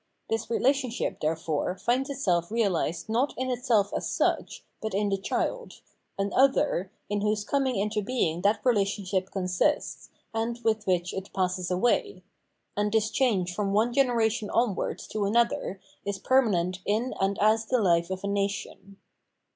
This relationship, therefore, finds itself realised not in itself as such, but in the child — an other, in whose coming into being that relationship consists, and with which it passes away. And this change from one generation onwards to another is permanent in and as the hfe of a nation.